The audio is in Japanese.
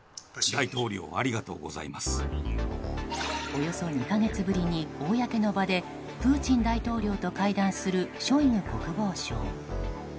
およそ２か月ぶりに公の場でプーチン大統領と会談するショイグ国防相。